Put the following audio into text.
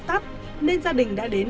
bị tắt nên gia đình đã đến